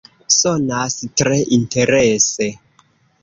Sonas tre interese!